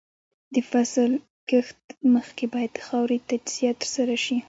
د فصل کښت مخکې باید د خاورې تجزیه ترسره شي.